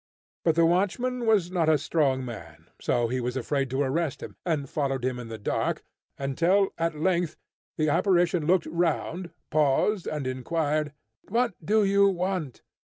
But the watchman was not a strong man, so he was afraid to arrest him, and followed him in the dark, until, at length, the apparition looked round, paused, and inquired, "What do you want?"